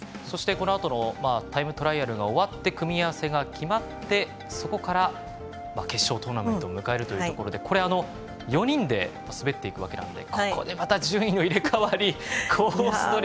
そして、このあとのタイムトライアルが終わって組み合わせが決まってそこから決勝トーナメントを迎えるというところでこれは４人で滑るのでここでまた順位が入れ替わりコース